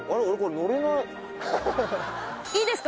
俺これ乗れない？